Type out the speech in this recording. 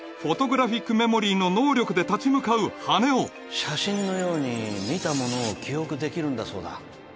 グラフィックメモリーの能力で立ち向かう羽男写真のように見たものを記憶できるんだそうだ